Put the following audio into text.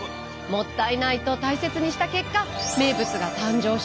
もったいないと大切にした結果名物が誕生したんです。